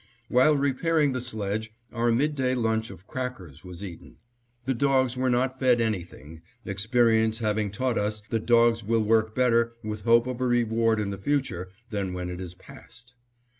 While repairing the sledge, our midday lunch of crackers was eaten. The dogs were not fed anything, experience having taught us that dogs will work better with hope for a reward in the future than when it is past.